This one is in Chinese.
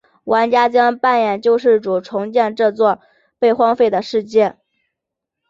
玩家将扮演救世主重建这被荒废的世界。